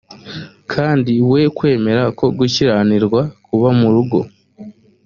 kandi we kwemera ko gukiranirwa kuba mu rugo